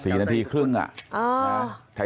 สี่นาทีครึ่งน่ะ